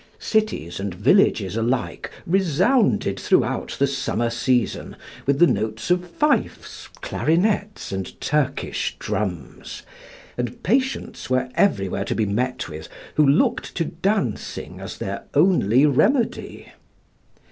Cities and villages alike resounded throughout the summer season with the notes of fifes, clarinets, and Turkish drums; and patients were everywhere to be met with who looked to dancing as their only remedy.